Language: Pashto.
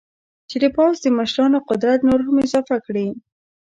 چې د پوځ د مشرانو قدرت نور هم اضافه کړي.